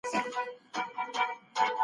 حکومت د ښکلا عملیات تنظیموي.